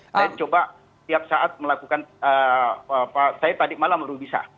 saya coba tiap saat melakukan saya tadi malam baru bisa